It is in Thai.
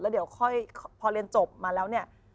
แล้วเดี๋ยวพอเรียนจบมาแล้ว